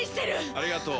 ありがとう。